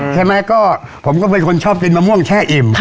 ใช่ไหมก็ผมก็เป็นคนชอบกินมะม่วงแช่อิ่ม